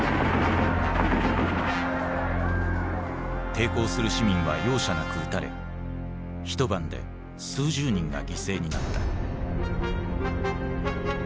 抵抗する市民は容赦なく撃たれ一晩で数十人が犠牲になった。